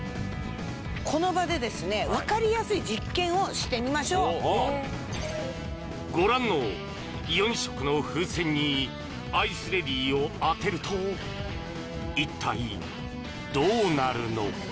この場でですね分かりやすい実験をしてみましょうご覧の４色の風船にアイスレディを当てると一体どうなるのか？